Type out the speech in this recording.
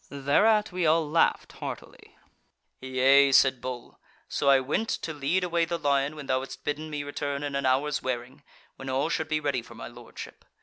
Thereat we all laughed heartily." "Yea," said Bull, "So I went to lead away the lion when thou hadst bidden me return in an hours' wearing, when all should be ready for my Lordship.